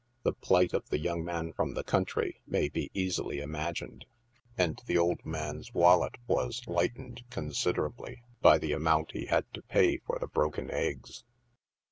The plight of the young man from the country may be easily imagined, and the old man's wallet was lightened, considerably, by the amount he had to pay for the broken eggs.